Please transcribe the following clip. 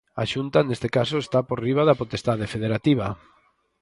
A Xunta, neste caso, está por riba da potestade federativa.